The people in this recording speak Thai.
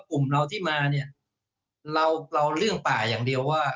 กลุ่มเราที่มาเนี่ยเราเรื่องป่าอย่างเดียวว่า